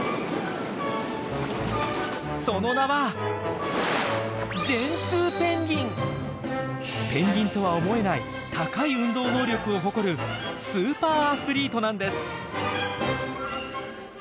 その名はペンギンとは思えない高い運動能力を誇るスーパーアスリートなんです！